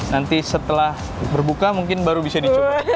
nanti setelah berbuka mungkin baru bisa dicoba